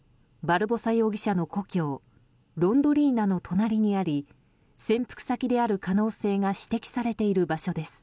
バルボサ容疑者の故郷ロンドリーナの隣にあり潜伏先である可能性が指摘されている場所です。